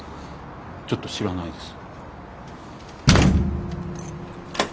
ちょっと知らないです。